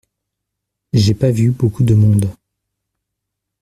j’ai pas vu beaucoup de monde.